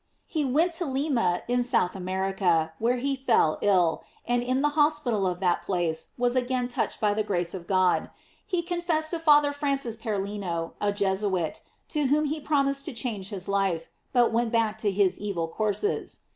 He went to Lima, in South America, where he fell ill, and in the hospital of that place was again touched by the grace of God. He confessed to Father Francis Perlino, a Jesuit, to whom he promised to change his life, but went back to his evil courses.